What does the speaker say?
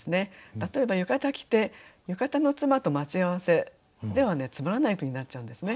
例えば「浴衣着て浴衣の妻と待ち合わせ」ではつまらない句になっちゃうんですね。